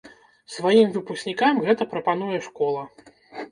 Сваім выпускнікам гэта прапануе школа.